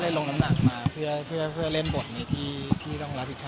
ลงน้ำหนักมาเพื่อเล่นบทในที่ต้องรับผิดชอบ